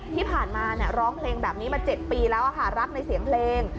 ที่ผ่านมาร้องเพลงแบบนี้มา๗ปีแล้วค่ะรักในเสียงเพลง